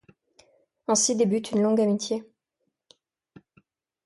Ainsi débute une longue amitié.